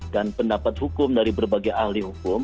dan pendapat hukum dari berbagai ahli hukum